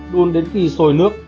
đun đến khi sôi nước